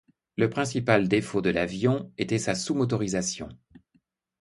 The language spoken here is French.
Le principal défaut de l'avion était sa sous-motorisation.